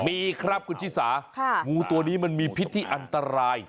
มีครับคุณชิสางูตัวนี้มันมีพิษที่อันตราย